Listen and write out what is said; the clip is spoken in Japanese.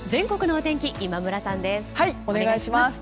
お願いします。